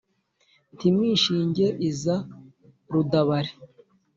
ntimwishinge iza rudabari